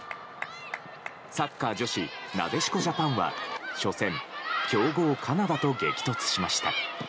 サッカー女子なでしこジャパンは初戦、強豪カナダと激突しました。